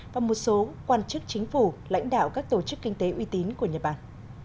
và một số quan chức chính phủ lãnh đạo các tổ chức kinh tế uy tín của nhật bản